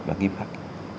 và nghiêm khắc